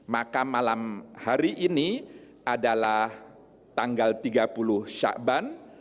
maka malam hari ini adalah tanggal tiga puluh syakban